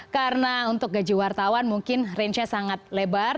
karena untuk gaji wartawan mungkin rangenya sangat lebar